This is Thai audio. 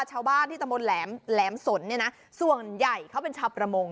ชาวบ้านที่ตะมดแหลมสนส่วนใหญ่เขาเป็นชาวประมง